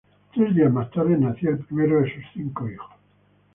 Tres días más tarde nacía el primero de sus cinco hijos.